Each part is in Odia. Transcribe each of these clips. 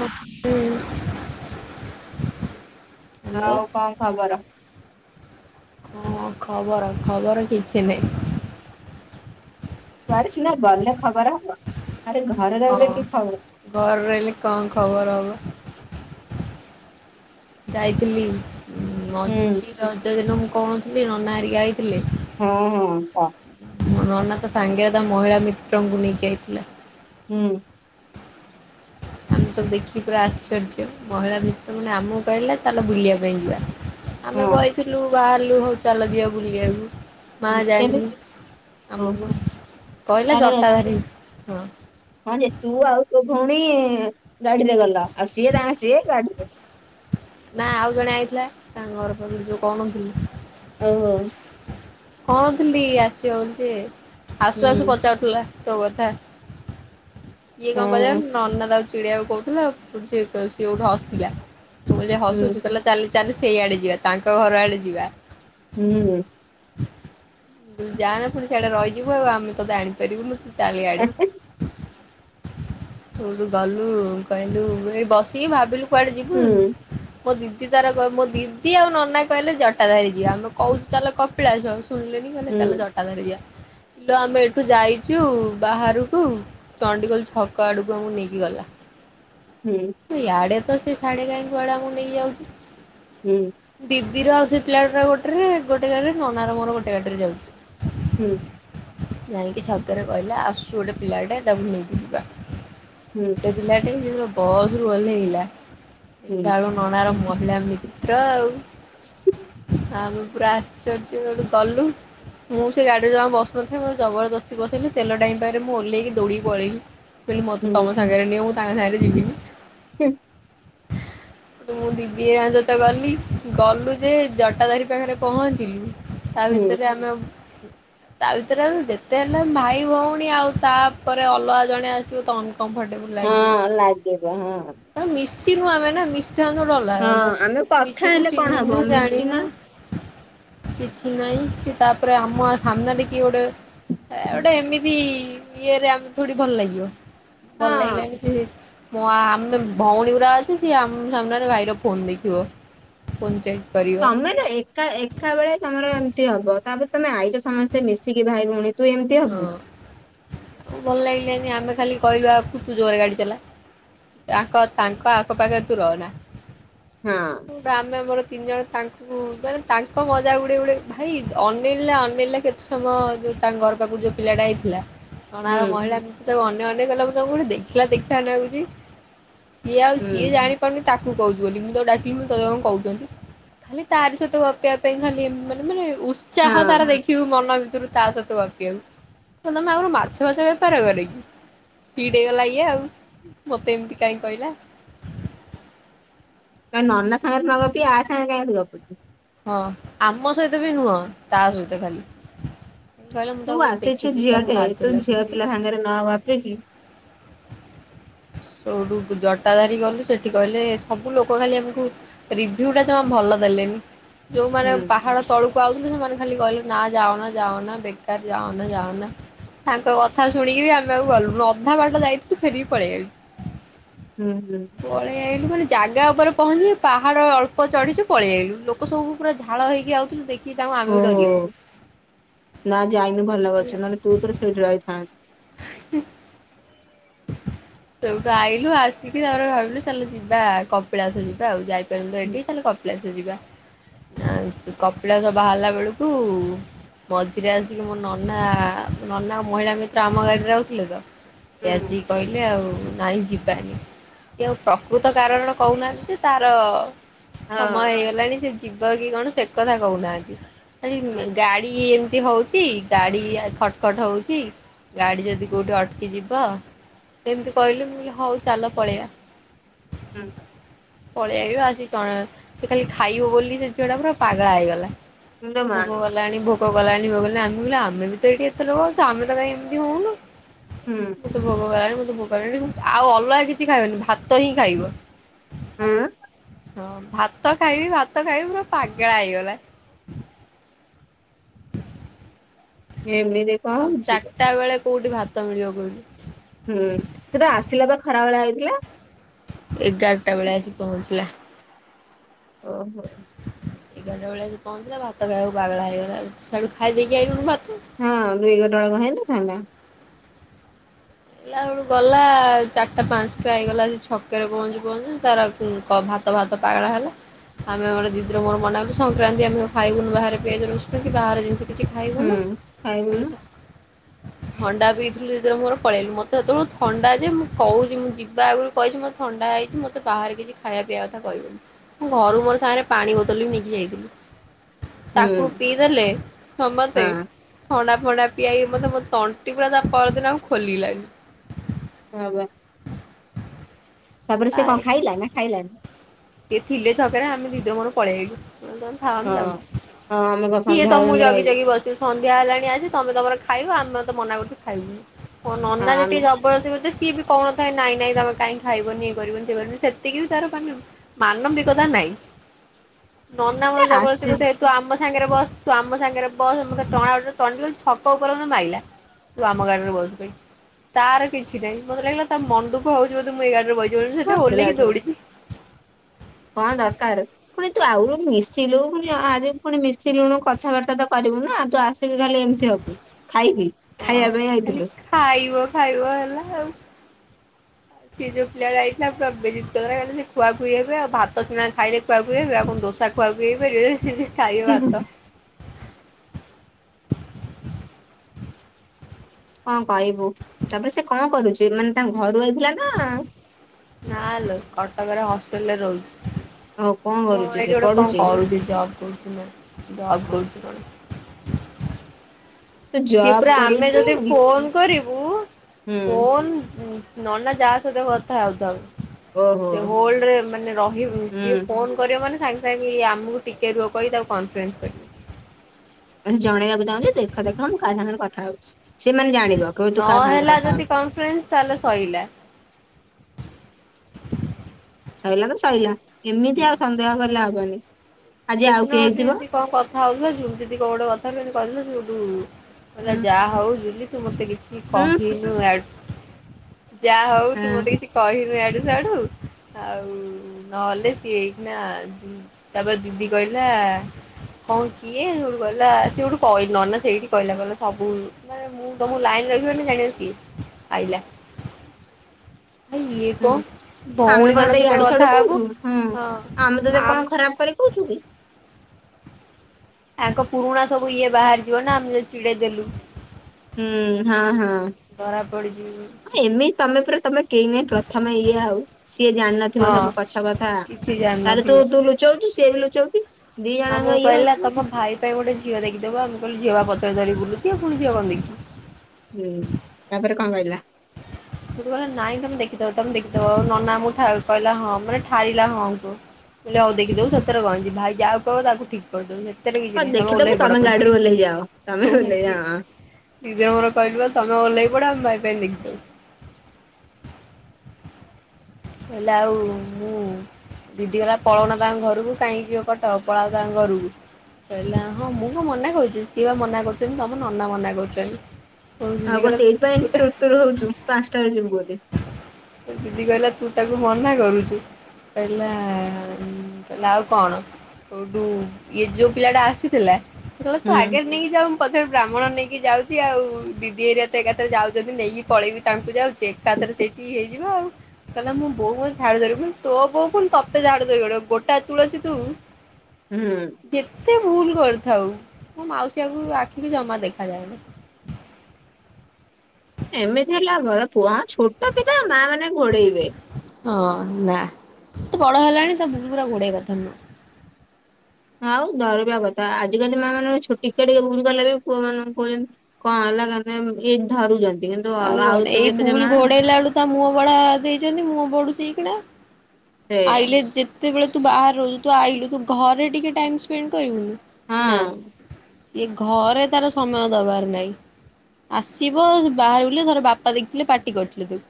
ହ ହ [inaudible] ଆଉ କଣ ଖବର। ହଁ ଖବର ଖବର କିଛି ନାହିଁ। କୁଆଡେ ସିନା ଗଲେ ଖବର ହବ ଆରେ ଘରେ ହଁ। ରହିଲେ କି ଖବର। ଘରେ ରହିଲେ କଣ ଖବର ହବ। ଯାଇଥିଲି ହୁଁ ମଝି ରଜ ଦିନ ମୁଁ କହୁନଥିଲି ନନା ଘରିକା ଆଇଥିଲେ। ହଁ ହଁ କହ। ମୋ ନନା ତା ସାଙ୍ଗେରେ ତା ମହିଳା ମିତ୍ରଙ୍କୁ ନେଇକି ଆଇଥିଲା। ହୁଁ। ଆମେ ସବୁ ଦେଖିକି ପୁରା ଆଶ୍ଚର୍ଯ୍ୟ ମହିଳା ମିତ୍ର ମାନେ ଆମକୁ କହିଲା ତାହାଲେ ବୁଲିବା ପାଇଁ ଯିବା। ଆମେ ହଁ ବହିଥିଲୁ ବାହାରିଲୁ ହଉ ଚାଲ ଯିବା ବୁଲିବାକୁ। ମା ଜାଣିନି କେମିତି? ଆମକୁ ଓହୋ କହିଲା ତାର ଜଟାଧାରୀ ହଁ। ହଁ ଯେ ତୁ ଆଉ ତୋ ଭଉଣୀ ଗାଡିରେ ଗଲ ଆଉ ସିଏ ତାଣ ସିଏ ଗାଡି ନା ଆଉ ଜଣେ ଆଇଥିଲା ତାଙ୍କ ଘର ପାଖରୁ ଯୋଉ କହୁନଥିଲି। ହଉ ହଉ। କହୁଥିଲି ଆସିବ ବୋଲି ଯେ ଆସୁ ହୁଁ ଆସୁ ପଚାରୁ ଥିଲା ତୋ କଥା ସିଏ କଣ କହିଲା ହଁ ନନା ତାକୁ ଚିଡଆକୁ କହୁଥିଲା ଆଉ ପ ସେଠୁ ହସିଲା। ମୁଁ ଯେ ହୁଁ ହସୁଚୁ କହିଲ ଚାଲି ଚାଲି ସେଇଆଡେ ଯିବା ତାଙ୍କ ଘର ଆଡେ ଯିବା। ହୁଁ ହୁଁ। ତୁ ଯାହାନା ପୁଣି ସେଆଡେ ରହିଯିବୁ ଆଉ ଆମେ ତତେ ଆଣିପାରିବୁନି ଚାଲେଆଡେ। ତୋଠୁ ଗଲୁ କହିଲୁ ଏ ବସିକି ଭାବିଲୁ କୁଆଡେ ଯିବୁ ହୁଁ ମୋ ଦିଦି ତାର ମୋ ଦିଦି ଆଉ ନନା କହିଲେ ଜଟା ଧାରି ଯିବା ଆମେ କହୁଛୁ ଚାଲ କପିଳାସ ଶୁଣିଲେ କଲେ ହୁଁ ଚାଲ ଜଟାଧାରି ଯିବା ଆମେ ଏଠୁ ଯାଇଛୁ ବାହାରକୁ ଚଣ୍ଡିଖୋଲ ଛକ ଆଡୁକୁ ଆମକୁ ନେଇକି ଗଲା। ହୁଁ। ୟଆଡେ ତ ସେ ସାଢେ କାଈଁ କୁଆଡେ ଆମକୁ ନେଇ ଯାଉଛି। ହୁଁ। ଦିଦିର ଆଉ ସେ ପିଲାଟ ଗୋଟେରେ ଗୋଟେ ଗାଡିରେ ନନା ର ମୋର ଗୋଟେ ଗାଡିରେ ଯାଉଛି। ହୁଁ। ଜାଣିକି ଛକରେ କହିଲା ଆସୁଛୁ ଗୋଟେ ପିଲାଟେ ତାକୁ ନେଇକି ଯିବା। ହୁଁ ପିଲା ଟା ବସ ରୁ ଓହ୍ଲାଇଲା ହୁଁ ଦେଖିଲା ବେଳକୁ ନନାର ମହିଳା ମିତ୍ର ଆଉ ଆ ଆମେ ପୁରା ଆଶ୍ଚର୍ଯ୍ୟ ଗଲୁ। ମୁଁ ସେ ଗାଡିରେ ଜମା ବସୁନଥାଏ ମତେ ଜବରଦସ୍ତି ବସେଇଲିି ତେଲ ଟାଙ୍କି ପାଖରେ ମୁଁ ଓଲ୍ହେଇ କି ଦୌଡ଼ି ପଳେଇିଲି। କହିଲ ମତେ ହୁଁ ହୁଁ ତମ ସାଙ୍ଗରେ ନିଅ ମୁୁ ତାଙ୍କ ସାଙ୍ଗରେ ଯିବିନି। [inaudible] ମୁଁ ଦିଦି ହେରିକା ସହିତତ ଗଲି ଗଲୁ ଯେ ଜଟାଧାରୀ ପାଖରେ ପହଞ୍ଚିଲୁ। ତା ହୁଁ ଭିତରେ ଆମେ ତା ଭିତରେ ଯେତେ ହେଲେ ଭାଇ ଭଉଣୀ ଆଉ ତାପରେ ଅଲଗା ଜଣେ ଆସିବ ତନ କମ୍ଫଟେବୁଲ ହଁ ଲାଗିବ ହଁ। ମିଶିନୁ ଆମେ ନା, ମିଶିଥାନ୍ତୁ ଗୋଟେ ଅଲାଗ କଥା। ଆମେ ମିଶିିନୁ, ହେଲେ କଣ ହବ ଚିହ୍ନିନୁ, ମିଶିନା ଜାଣିନୁ କିଛି ନାହିଁ। ସେ ତାପରେ ଆମ ସାମ୍ନା ରେ କିଏ ଗୋଟେ ହେ ଗୋଟେ ଏମିତି ଇଏରେ ଆମ ଥୋଡି ଭଲ ଲାଗିବ? ଭଲ ହଁ ଲାଗିଲାନି ସେ ମୋ ଆମେ ଭଉଣୀ ଗୁଡା ଅଛୁ ସିଏ ଆମ ସାମ୍ନାରେ ଭାଇର ଫୋନ ଦେଖିବ। [unintelligible] ତମେ ନା ଏକା ଏକା ବେଳେ ତମର ଏମିତି ହବ। ତାପରେ ତମେ ଆଇଛ ସମସ୍ତେ ମିଶିକି ଭାଇ ଭଉଣୀ। ତୁ ଏମିତି ହବୁ? ହଁ ଭଲ ଲାଗିଲାନି ଆମେ ଖାଲି କହିଲୁ ଆ ତୁ ଜୋରରେ ଗାଡ଼ି ଚଲା। ତାଙ୍କ ତାଙ୍କ ଆଖ ପାଖରେ ତୁ ରହନା। ହଁ ଆମେ ଆମର ତିନି ଜଣ ତାଙ୍କୁ ମାନେ ତାଙ୍କ ମଜାକ୍ ଉଡ଼େଇ ଉଡ଼େଇ ଭାଇ ଅନିଲ୍ ନା ଅନେଇଲା କେତେ ସମୟ ଯୋଉ ତାଙ୍କ ଘର ପାଖରୁ ଯୋଉ ପିଲାଟା ଆଇଥିଲା। [unintelligible] ହୁଁ ତାକୁ ଅନେଇ ଅନେଇ ଗଲା, ମୁଁ ତାଙ୍କୁ ଗୋଟେ ଦେଖିଲା ଦେଖିଲା ଲାଗୁଛି। ସିଏ ଆଉ ହୁଁ ସିଏ ଜାଣିପାରୁନି ତାକୁ କହୁଛି ବୋଲି। ମୁଁ ତାକୁ ଡାକିଲି ମୁଁ କହିଲି ତତେ କଣ କହୁଛନ୍ତି। ଖାଲି ତାରି ସହିତ ଗପିବା ପାଇଁ ଖାଲି ମାନେ ମାନେ ହଁ ଉତ୍ସାହ ତାର ଦେଖିବୁ ମନ ଭିତରୁ ତା ସହିତ ଗପିଆକୁ। ତମେ ଆଗରୁ ମାଛ ମାଛ-ଫାଛ ବେପାର କର କି? ହିଟି ହେଇଗଲା ଇଏ ଆଉ, ମତେ ଏମିତି କାହିଁ କହିଲା? କାଇଁ ନନା ସାଙ୍ଗରେ ନ ଗପି ଆ ସାଙ୍ଗେ କାଇଁ ଆସି ଗପୁଛି? ହଁ, ଆମ ସହିତ ବି ନୁହଁ। ତା ସହିତ ଖାଲି। କହିଲେ ମୁଁ ତୁ ତାକୁ କୋଉଠି ଆସିଛୁ ଦେଖିଛି, ତାକୁ ଝିଅଟେ ଲାଜ ତୁ ଝିଅ ଲାଗୁଛି। ପିଲା ସାଙ୍ଗରେ ନ ଗପିକି ଯୋଉଠୁ ଜଟାଧାରୀ ଗଲୁ, ସେଠି କହିଲେ ସବୁ ଲୋକ ଖାଲି ଆମକୁ ରିଭ୍ୟୁ ଟା ଜମା ଭଲ ଦେଲେନି। ଯୋଉମାନେ ହୁଁ ପାହାଡ଼ ତଳୁ କୁ ଆଉଥିଲୁ ସେମାନେ ଖାଲି କହିଲେ ନା ଯାଅନା ଯାଅନା ବେକାର ଯାଅନା ଯାଅନା। ତାଙ୍କ କଥା ଶୁଣିକି ବି ଆମେ ଆଉ ଗଲୁନୁ। ଅଧା ବାଟ ଯାଇଥିଲୁ ଫେରିକି ପଳେଇ ଆଇଲୁ। ହୁଁ ହୁଁ। ପଳେଇ ଆଇଲୁ ମାନେ ଜାଗା ଉପରେ ପହଞ୍ଚି ପାହାଡ଼ ଅଳ୍ପ ଚଢିଛୁ ପଳେଇ ଆଇଲୁ। ଲୋକ ସବୁ ପୁରା ଝାଳ ହେଇକି ଆାଉଥିଲୁ ଦେଖି ତାଙ୍କୁ ଆମେ ବି ଓହୋ ଡରି ଯାଉଥିଲୁ। ନା ଯାଇନୁ ଭଲ ହେଲା। କରିଛୁ। ନହେଲେ ତୁ ତୋର ସେଇଠି ରହି ଥାଆନ୍ତୁ। [inaudible] ସେଇଠୁ ଆଇଲୁ, ଆସିକି ତାପରେ ଭାବିଲୁ ଚାଲ ଯିବା କପିଳାସ ଯିବା ଆଉ ଯାଇ ପାରିଲୁନୁ ତ ହୁଁ ଏଠି ଚାଲ କପିଳାସ ଯିବା। ଆ କପିଳାସ ବାହାରିଲା ବେଳକୁ ମଝିରେ ଆସିକି ମୋ ନନା, ନନା ଆଉ ମହିଳା ମିତ୍ର ଆମ ଗାଡିରେ ଆଉଥିଲେ ତ। ସିଏ ହୁଁ ଆସିକି କହିଲେ ଆଉ ନାହିଁ ଯିବାନି। ସେ ଆଉ ପ୍ରକୃତ କାରଣ କହୁନାହାନ୍ତି ଯେ ତାର ସମୟ ହଁ ହେଇଗଲାଣି ସେ ଯିବ କି କଣ ସେ କଥା କହୁନାହାନ୍ତି। ଆଜି ହୁଁ ଗାଡ଼ି ଏମିତି ହଉଛି ଗାଡି ଇଆ ଖଟ ଖଟ ହଉଛି ଗାଡି ଯଦି କୋଉଠି ଅଟକି ଯିବ ଏମିତି କହିଲୁ ମୁଁ କହିଲି ହଉ ଚାଲ ପଳେଇବା। ହୁଁ। ପଳେଇ ଆଇଲୁ, ଆସି ଚ ସେ ଖାଲି ଖାଇବ ବୋଲି ସେ ଝିଅ ଟା ପୁରା ପାଗଳା ହେଇଗଲା। ଇଲୋ ମା ଭୋକ କଲାଣି, ଭୋକ କଲାଣି, ମୁଁ କହିଲି ଆମେ ବି ତ ଏଇଠି ଏତେ ଲୋକ ଅଛୁ ଆମେ ତ କାଇଁ ଏମିତି ହଉନୁ? ହୁଁ। ଭୋକ କଲାଣି, ମତେ ଭୋକ କଲାଣି ଆଉ ଅଲଗା କିଛି ଖାଇବନି ଭାତ ହିଁ ଖାଇବ। [unintelligible] ହଁ ଭାତ ଖାଇବି, ଭାତ ଖାଇବି ପୁରା ପାଗଳା ହେଇଗଲା। [inaudible] ଏମିତି। [unintelligible] ଆଉ ଚାରିଟା ବେଳେ କୋଉଠି ଭାତ ମିଳିବ କହିଲୁ। ହୁଁ ସେତ ଆସିଲା ବା ଖରା ବେଳେ ଆଇଥିଲା। ଏଗାରଟା ବେଳେ ଆସି ପହଞ୍ଚିଲା। ଓ। ଏଗାରଟା ବେଳେ ଆସି ପହଞ୍ଚିଲା ଭାତ ଖାଇବାକୁ ପାଗଳା ହେଇଗଲା। ସିଆଡୁ ଖାଇଦେଇକି ଆଇଲୁନୁ ଭାତ। ହଁ ଏଗାରଟା ବେଳକୁ ହେଇନଥାନ୍ତା। ବେଳକୁ ଗଲା ଚାରିଟା ପାଞ୍ଚଟା ହେଇଗଲା ସେ ଛକରେ ପହଞ୍ଚୁ ପହଞ୍ଚୁ ତାର ହୁଁ, କ ଭାତ ଭାତ ପାଗଳା ହେଲା। ଆମେ ଆମର ଦିଦିର ମୋର ମନା କଲୁ ସଂକ୍ରାନ୍ତି ଆମେ ତ ଖାଇବୁ ନୁ ବାହାରେ ପିଆଜ ରସୁଣ କି ବାହାର ଜିନିଷ। କିଛି ଖାଇବୁନୁ, ହୁଁ ଖାଇବୁନୁ ଥଣ୍ଡା ପିଇଥିଲୁ ଦିଦିର ମୋର। ପଳେଇଲୁ, ମୋତେ ସେତେବେଳକୁ ଥଣ୍ଡାଯେ ମୁଁ କହୁଛି, ମୁଁ ଯିବା ଆଗରୁ କହିଛି ମୋତେ ଥଣ୍ଡା ହେଇଛି ମୋତେ ବାହାରେ କିଛି ଖାଇବା ପିଇବା କଥା କହିବୁନୁ। ମୁଁ ଘରୁ ମୋର ସାଙ୍ଗରେ ପାଣି ବୋତଲ ବି ନେଇକି ଯାଇଥିଲି। ହୁଁ ତାକୁ ପିଇଦେଲେ ସମସ୍ତେ। ହଁ ଥଣ୍ଡା ଫଣ୍ଡା ପିଆଇ ମତେ, ମୋ ତଣ୍ଟି ପୁରା ତା ପରଦିନ ଆଉ ଖୋଲିଲାନି। ହଁ ବା। ତାପରେ ସେ କଣ ଖାଇଲା ନା ଖାଇଲାନି? ସେ ଥିଲେ ଛକରେ ଆମେ ଦିଦିର ମୋର ପଳେଇ ଆଇଲୁ ହଁ, ହଁ ମୁଁ ଯାଉଛି ହଁ ଆମେ କଣ କିଏ ସନ୍ଧ୍ୟାବେଳେ ତମକୁ ଯାଇକି ଜଗି ରହିଲୁ ଜଗି ବସିବ? ସନ୍ଧ୍ୟା ହେଲାଣି ଆଜି ତମେ ତମର ଖାଇବ, ଆମେ ମତେ ମନା କରୁଛୁ ଖାଇବୁନୁ। ମୋ ହଁ ନନା ଆମେ ଯେତିକି ଜବରଦସ୍ତି କରିଥିବେ ସିଏ ବି କହୁ ଥାଏ ନାଇଁ ନାଇଁ ତମେ କାଇଁ ଖାଇବନି, ଇଏ କରିବନି ସିଏ କରିବନି, ସେତିକି ବି ତାର ପା ମାନବିକତା ନାଇଁ। ନନା ଏ ମତେ ଜବରଦସ୍ତୀ ଆସିଛୁ କରୁଥାଏ ତୁ ଆମ ସାଙ୍ଗରେ ବସ୍। ‌ ତୁ ଆମ ସାଙ୍ଗରେ ବସ୍। ମତେ ଟଣାଉଟରା ଛକ ଉପରେ ମତେ ମାଇଲା। ତୁ ଆମ ଗାଡ଼ିରେ ବସବେ, ତାର କିଛି ନାଇଁ ମତେ ଲାଗିଲା ତାର ମନ ଦୁଃଖ ହଉଛି ବୋଧେ ମୁଁ ଏଇ ଗାଡ଼ିରେ ବଇଛି। ଓଲ୍ହେଇକି ବସିଲାଠୁ ଦୋଉଡ଼ିଛି। କଣ ଦରକାର୍। ପୁଣି ତୁ ଆଗୁରୁ ମିଶିଲୁ ପୁଣି ଆରେ ପୁଣି ମିଶିଲୁୁଣୁ କଥାବାର୍ତ୍ତା ତ କରିବୁ ନା, ଆଉ ତୁ ଆସ ଖାଲି ଏମିତି ହବୁ, ଖାଇବି ହଁ ଖାଇବା ପାଇଁ ଖାଲି ଆଇଥିଲୁ? ଖାଇବ ଖାଇବ ହେଲା ଆଉ। ହଁ [inaudible] ସେ ଯୋଉ ପିଲା ଯାଇଥିଲା ପୁରା ବେଜିତ୍ କଲା‌, ମାନେ ସେ ଖୁଆଖୁଇ ହେବେ ଆଉ ଭାତ ସିନା ଖାଇଲେ ଖୁଆଖୁଇ ହେବେ ଆଉ କଣ ଦୋସା ଖୁଆଖୁଇ ହେବେ ଯେ ଯେ ଖାଇବେ ହୁଁ ହୁଁ ଭାତ। ହଁ କହିବୁ, ତାପରେ ସେ କଣ କରୁଛି ମାନେ ତାଙ୍କ ଘରୁ ଆଇଥିଲା ନା ନାଲୋ କଟକରେ ହଷ୍ଟେଲ୍‌ରେ ରହୁଛି। ଆଉ କଣ ହ କରୁଛି ସେ ଏଇଠି ଗୋଟେ କଣ ପଢୁଛି? କରୁଛି! ଜବ୍ କରୁଛି ନା ଜବ୍ ଓ, କରୁଛି କଣ? ତୁ ସେ ଜବ୍ ପୁରା ଆମେ କରୁଛୁ ଯଦି ଫୋନ୍‌ କରିବୁ ହୁଁ ଫୋନ୍‌ ନନା ଯାହା ସହିତ କଥା ହଉଥାଉ, ଓହୋ ସେ ହୋଲ୍ଡ ରେ ମାନେ ରହି ହୁଁ ସିଏ ଫୋନ୍‌ କରିବ ମାନେ ସାଙ୍ଗେ ସାଙ୍ଗେ ଆମକୁ ଟିକେ ରୁହ କହି ତାକୁ କନ୍‌ଫରେନ୍ସ କରିବ। ବେଶି ଜଣେଇବାକୁ ଚାହୁଁଛି ଦେଖ ଦେଖ ମୁଁ କାହା ସାଙ୍ଗରେ କଥା ହଉଛି, ସେ ମାନେ ଜାଣିବ କହିବ ତୁ କାହା ସାଙ୍ଗରେ ନହେଲା କଥା ଯଦି ହଉୁଚୁ। କନଫରେନ୍ସ ତାହେଲେ ଶଇଲା। ଶଇଲା ତ ଶଇଲା, ଏମିତି ଆଉ ସନ୍ଦେହ କଲେ ହବନି। ଆଜି ସେ ଆଉ ଦିନ କିଏ ଯୋଉ ହେଇଥିବ ଏମିତି କଣ କ କଥାହେଉଥିଲା, ଜୁଲି ଦିଦି କୋଉ ଗୋଟ କଥାରୁ ଏମିତି କହି ଦେଲେ ସେଉଠୁ, କହିଲା ଉଁ ଯାହା ହଉ ଜୁଲି ତୁ ମୋତେ କିଛି ହୁଁ କହିନୁ ଇଆଡୁ, ଯାହା ହଉ ତୁ ହାଁ ମୋତେ କିଛି କହିନୁ ଇଆଡୁ। ସିଆଡ଼ୁ ଆଉ ନ ହେଲେ ସିଏ ଏଇଖିଣା ତାପରେ ଦିଦି କଇଲା ହଁ କିଏ ସେଉଠୁ କହିଲା ସେଉଠୁ କଇ ନନା ସେଇଠି କହିଲା କହିଲା ସବୁ ମାନେ ମୁଁ ତୋମକୁ ଲାଇନ୍‌ ରହିବନି ଜାଣିବ ସିଏ ଆଇଲା। ଇଏ ହୁଁ, କଣ ଆମେ ଭଉଣୀ କଣ ମାନଙ୍କ ତେ ସହିତ ୟାଡୁ କଥା ସାଡୁ ହବୁ କହୁଛୁ? ହୁଁ, ହଁ ଆମେ ତୋତେ ଆମ କଣ ଖରାପ କରି କହୁଛୁ କି? ଆଗ ପୁରୁଣା ସବୁ ଇଏ ବାହାରି ଯିବ ନା ଆମେ ଯୋଉ ଚିଡେଇ ଦେଲୁ। ହୁଁ, ହଁ, ଧରା ପଡିଯିବୁ। ହଁ ଏମିତି ତୋମେ ପୁରା ତୋମେ କେହି ନାଇ ପ୍ରଥମେ ଇଏ ଆଉ ସିଏ ଜାଣିନଥିବ ହଁ ସବୁ ପଛ କଥା କିଛି ତାର ତୁ ଜାଣିନଥିବ। ତୁ ଲୁ ଚଉଚୁ, ସିଏ ବି ଲୁଚଉଚି। ଆମକୁ କହିଲା ତୋମ ଭାଇ ପାଇଁ ଗୋଟେ ଝିଅ ଦେଖିଦବ। ଆମେ କହିଲୁ ଝିଆ ବା ପଛରେ ଧରି ବୁଲୁଚି ଆଉ। ପୁଣି ଝିଅ କଣ ଦେଖିବ? ହୁଁ, ତାପରେ କଣ କହିଲା? ସେ କହିଲା ନାଇଁ ତୋମେ ଦେଖିଦବ, ତୋମେ ଦେଖିଦବ, ନନା ମୁଁ ଥାଉ କହିଲା ହଁ ପୁରା ଠାରିଲା ହଁ କ ହିଲା ହଉ ଦେଖିଦବୁ ସେଥିରେ କଣ ଅଛି, ଭାଇ ଯାହାକୁ କହିବ ତାକୁ ଠିକ୍ କରିଦବୁ ସେ ତେବେ କିଛି କଣ ନି ତୋମେ ଦେଖିଦବୁ ଓହ୍ଲେଇପଡ ତମେ ଗାଡିରୁ ପଛରୁ, ଓହ୍ଲେଇ ଯାଅ ତମେ ଓହ୍ଲେଇ ଯାଅ [inaudible] ନିଜେ ମୋର ସାଇଡ୍ ର ତୋମେ ଓହ୍ଲେଇ ପଡ ଆମେ ଭାଇ ପାଇଁ ଦେଖିଦବୁ। ହେଲେ ଆଉ ମୁଁ ଦିଦି କହିଲା ପଳଉନ ତାଙ୍କ ଘରକୁ କାହିଁକି ଯିବ କଟକ ପଳାଅ ତାଙ୍କ ଘରକୁ। କଇଲା ହଁ ମୁଁ କଣ ମନା କରୁଚି, ସିଏ ପା ମନା କରୁଚନ୍ତି। ତୋମ ନନା ମନା କରୁଛନ୍ତି। ପୁଣି ଦିଦି ଆଉ କଣ କହିଲା ସେଇଥିପାଇଁ ତୁ ଏମ ତା ତୁରୁତୁରୁ ହଉଚୁ ପାନ୍ସଟାରେ ଯିବୁ ବୋଲି। ତ ଦିଦି କହିଲା ତୁ ତାକୁ ମନା କରୁଛି। କଇଲା ଉଁ, କଇଲା ଆଉ କଣ। କୋଉଠୁ ଇଏ ଯୋଉ ପିଲା ଟା ଆସିଥିଲା ସେ କହିଲା ତୁ ହୁଁ ଆଗରେ ନେଇକି ଯାଉ ପଛରେ ବ୍ରାହ୍ମଣ ନେଇକି ଯାଉଚି ଆଉ, ଦିଦି ହେରିଆ ତ ଏକାଥରେ ଯାଉଚନ୍ତି ନେଇକି ପଳେଇବି ତାଙ୍କୁ ଯାଉଚି। ତାପରେ ସେଇଠି ହେଇଯିବ ଆଉ। କହିଲା ମୁଁ ବୋଉ ମୋତେ ଝାଡୁ ଧରିବ, ମୁଁ କଇନି ତୋ ବୋଉ ପୁଣି ତୋତେ ଝାଡୁ ଧରି ଗୋଡେଇବ ଗୋଟା ତୁଳସୀ ତୁ। ହୁଁ। ଯେତେ ଭୁଲ କରିଥାଉ ମୋ ମାଉସୀ ଆଖୁକୁ ଆଖିକି ଜମା ଦେଖାଯାଏନି। ଏମିତି ହେଲା ଆଉ ଘର, ପୁଅ ଆ, ଛୋଟ ପିଲା ମା ମାନେ ଘୋଡେଇବେ। ହଁ ନା ତ ବଡ ହେଲାଣି ତ ଭୁଲ ଗୁରା ଘୋଡେଇ କଥା ନୁହଁ। ଆଉ ଧରିବା କଥା, ଆଜିକାଲି ମାଆ ମାନଙ୍କ ଛୁ- ଟିକେ ଟିକେ ଭୁଲ କଲେ ବି ପୁଅ ମାନଙ୍କୁ କହୁଚନ୍ତି। କଣ ହେଲା [unintelligible] ଏଇ ଧାରୁଚନ୍ତି କିନ୍ ଆଉ କୁହନି ଏଇ ଭୁଲ ଘୋଡେଇଲା ବେଳୁ ତା ମୁହଁ ବଢା ଦେଇଛନ୍ତି ମୁହଁ ବଢୁଛି ଏଇଖିଣା। ସେଇଆ ଆଇଲେ ଯେତେବେଳେ ତୁ ବାହାରେ ରହୁଛୁ, ତୁ ଆଇଲୁ ତୁ ଘରେ ଟିକେ ଟାଇମ୍ ସ୍ପେଣ୍ଡ କରିବୁନି। ନା ହଁ। ସି ଏ ଘରେ ତାର ସମୟ ଦବାର ନାଇଁ। ଆସିବ ବାହାରେ ବୁଲିବ, ଥରେ ବାପା ଦେଖିଥିଲେ ପାଟି କରିଥିଲେ ତାକୁ।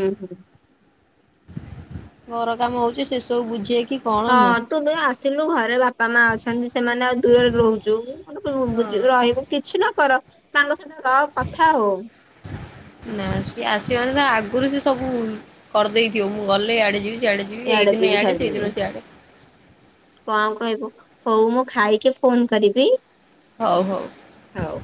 ହୁଁ, ହୁଁ। ଘର କାମ ହଉଛି ସେ ସବୁ ବୁଝେଇକି କଣ ହଁ, ନୁହେଁ ହଁ ତୁ କେବେ ଆସିଲୁ ଘରେ ବାପା ମା ଅଛନ୍ତି, ସେମାନେ ଆଉ ଦୁର ରେ ରହୁଚୁ। [unintelligible] ରହିବୁ କିଛି ନ କର ତାଙ୍କ ସାଥିରେ ରଅ କଥା ହୁଓଂ। ନା ସିଏ ଆସିବ ମାନେ ତା ଆଗରୁ ସିଏ ସବୁ କରିଦେଇଥିବ। ମୁଁ ଗଲେ ଇଆଡେ ଯିବି ସିଆଡେ ଯି ଯିବି ଏଇ ଦିନ ଇଆଡେ ସେଇଦିନ ସିଆଡେ। କଣ କହିବୁ, ହଉ ମୁଁ ଖାଇକି ଫୋନ୍ କରିବି। ହଉ, ହଉ। ହଉ।